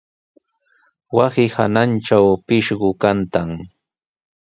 Wasi hanantraw pishqu kantan.